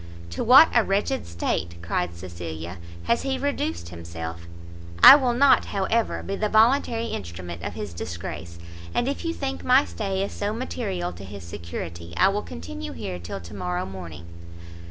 "To what a wretched state," cried Cecilia, "has he reduced himself! I will not, however, be the voluntary instrument of his disgrace; and if you think my stay is so material to his security, I will continue here till to morrow morning."